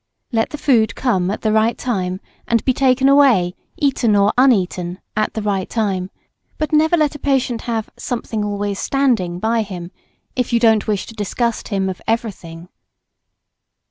Let the food come at the right time, and be taken away, eaten or uneaten, at the right time; but never let a patient have "something always standing" by him, if you don't wish to disgust him of everything.